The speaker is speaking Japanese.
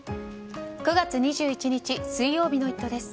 ９月２１日、水曜日の「イット！」です。